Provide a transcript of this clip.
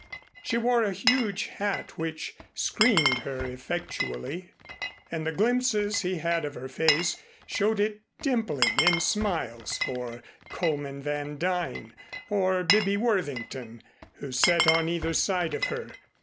She wore a huge hat which screened her effectually, and the glimpses he had of her face showed it dimpling in smiles for Coleman Van Duyn or Bibby Worthington, who sat on either side of her.